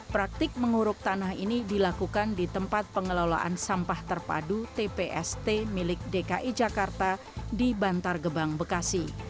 praktik menguruk tanah ini dilakukan di tempat pengelolaan sampah terpadu tpst milik dki jakarta di bantar gebang bekasi